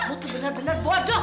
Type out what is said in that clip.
kamu tuh benar benar bodoh